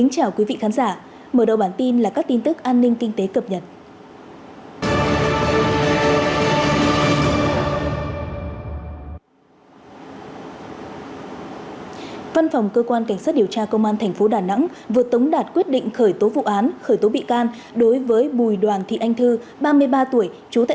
chào mừng quý vị đến với bộ phim hãy nhớ like share và đăng ký kênh của chúng mình nhé